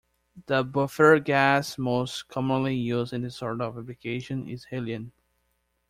The buffer gas most commonly used in this sort of application is helium.